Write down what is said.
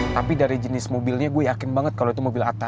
tapi dari jenis mobilnya gue yakin banget kalau itu mobil atta